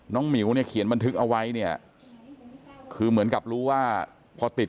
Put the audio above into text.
หมิวเนี่ยเขียนบันทึกเอาไว้เนี่ยคือเหมือนกับรู้ว่าพอติด